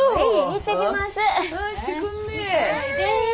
行ってきます。